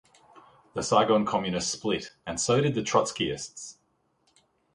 The Saigon Communists split, and so did the Trotskyists.